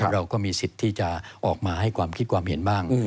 เราก็มีสิทธิ์ที่จะออกมาให้ความคิดความเห็นบ้าง